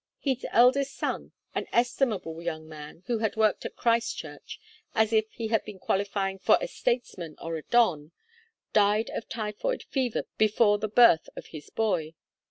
His eldest son, an estimable young man, who had worked at Christ Church as if he had been qualifying for a statesman or a don, died of typhoid fever before the birth of his boy.